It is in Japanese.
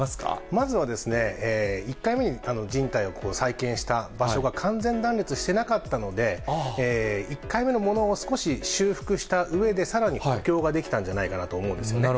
まずはですね、１回目にじん帯を再建した場所が完全断裂してなかったので、１回目のものを少し修復したうえで、さらに補強ができたんじゃないかと思うんですね。